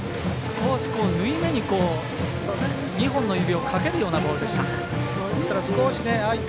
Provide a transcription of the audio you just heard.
少し縫い目に２本の指をかけるようなボールでした。